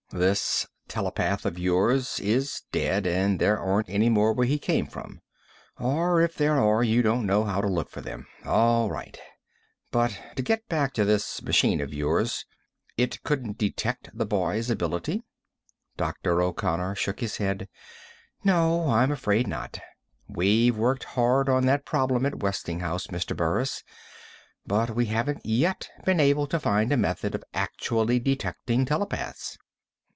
"This telepath of yours is dead, and there aren't any more where he came from. Or if there are, you don't know how to look for them. All right. But to get back to this machine of yours: it couldn't detect the boy's ability?" Dr. O'Connor shook his head. "No, I'm afraid not. We've worked hard on that problem at Westinghouse, Mr. Burris, but we haven't yet been able to find a method of actually detecting telepaths."